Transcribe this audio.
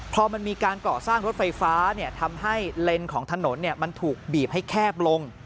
พอมันมีการก่อสร้างรถไฟฟ้าทำให้เลนส์ของถนนมันถูกบีบให้แคบลง